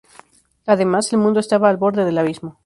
Además, el mundo estaba al borde del abismo.